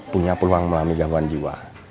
punya peluang melalui gangguan jiwa